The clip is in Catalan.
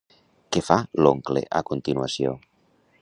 Què fa l'oncle a continuació?